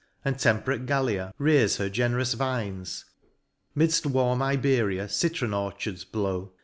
And temperate Gallia rears her generous vines ; 'Midft warm Iberia citron orchards blow.